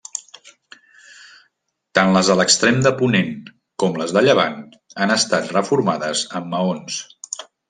Tant les de l'extrem de ponent com les de llevant han estat reformades amb maons.